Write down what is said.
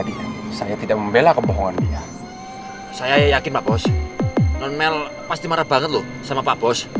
dia saya tidak membela kebohongan dia saya yakin bagus normal pasti marah banget loh sama pak bos